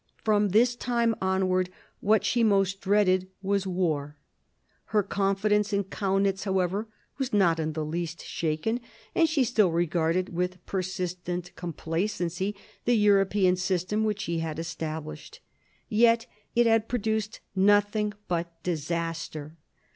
From this time onward, what she most dreaded was war. Her confidence in Kaunitz, however, was not in the least shaken, and she still regarded with persistent complacency the European system which he had established. Yet it had produced nothing but disaster.